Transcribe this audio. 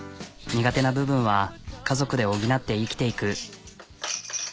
苦手な部分は家族で補って生きていく。